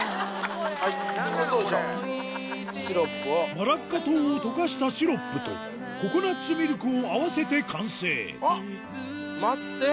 マラッカ糖を溶かしたシロップとココナツミルクを合わせて完成待って。